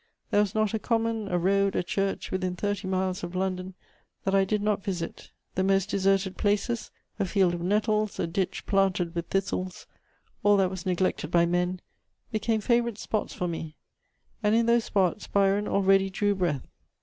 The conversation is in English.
There was not a common, a road, a church, within thirty miles of London, that I did not visit. The most deserted places, a field of nettles, a ditch planted with thistles, all that was neglected by men, became favourite spots for me, and in those spots Byron already drew breath.